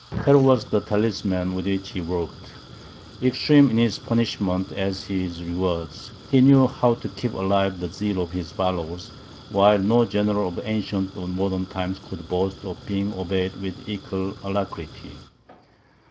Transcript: Terror was the talisman with which he worked; extreme in his punishments as in his rewards, he knew how to keep alive the zeal of his followers, while no general of ancient or modern times could boast of being obeyed with equal alacrity.